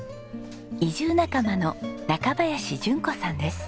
移住仲間の中林淳子さんです。